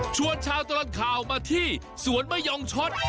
ชวนชาตรลับข่าวมาที่สวนไม่ย่องชจ